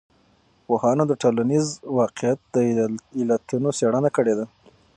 پوهانو د ټولنیز واقعیت د علتونو څېړنه کړې ده.